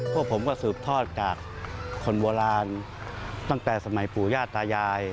พวกผมก็สืบทอดจากคนโบราณตั้งแต่สมัยปู่ย่าตายาย